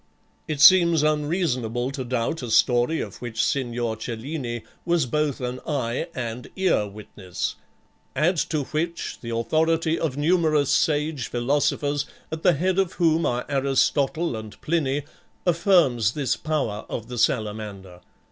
It seems unreasonable to doubt a story of which Signor Cellini was both an eye and ear witness. Add to which the authority of numerous sage philosophers, at the head of whom are Aristotle and Pliny, affirms this power of the salamander.